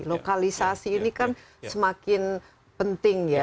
lokalisasi ini kan semakin penting ya